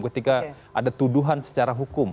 ketika ada tuduhan secara hukum